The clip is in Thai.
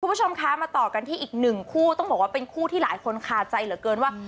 คุณผู้ชมคะมาต่อกันที่อีกหนึ่งคู่ต้องบอกว่าเป็นคู่ที่หลายคนคาใจเหลือเกินว่า